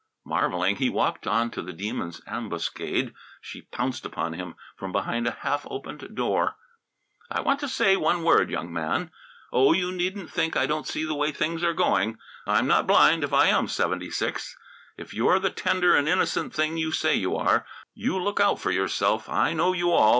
Marvelling, he walked on to the Demon's ambuscade. She pounced upon him from behind a half opened door. "I want to say one word, young man. Oh, you needn't think I don't see the way things are going. I'm not blind if I am seventy six! If you're the tender and innocent thing you say you are, you look out for yourself. I know you all!